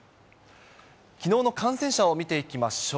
きのうの感染者を見ていきましょう。